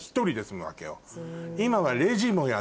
今は。